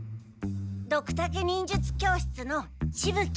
ドクタケ忍術教室のしぶ鬼。